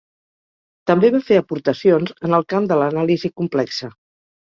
També va fer aportacions en el camp de l'anàlisi complexa.